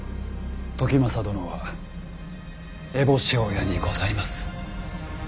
時政殿は烏帽子親にございます。